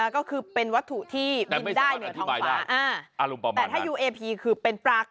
ก็คือเป็นวัตถุที่บินได้เหนือท้องฟ้า